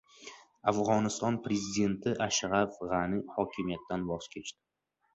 Afg‘oniston prezidenti Ashraf G‘ani hokimiyatdan voz kechdi